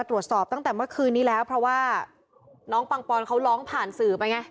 ตรวจสอบตั้งแต่เมื่อคืนนี้แล้วเพราะว่าน้องปังปอนเขาร้องผ่านสื่อไปไง